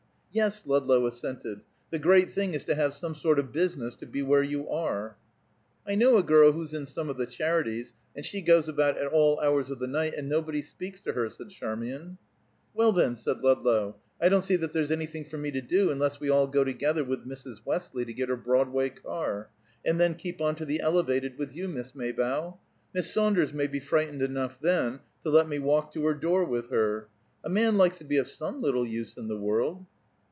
"Yes," Ludlow assented, "the great thing is to have some sort of business to be where you are." "I know a girl who's in some of the charities, and she goes about at all hours of the night, and nobody speaks to her," said Charmian. "Well, then," said Ludlow, "I don't see that there's anything for me to do, unless we all go together with Mrs. Wesley to get her Broadway car, and then keep on to the Elevated with you, Miss Maybough. Miss Saunders may be frightened enough then to let me walk to her door with her. A man likes to be of some little use in the world."